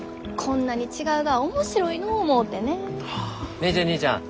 姉ちゃん姉ちゃん。